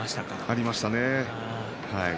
ありましたね。